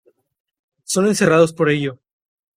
Son encerrados por ello.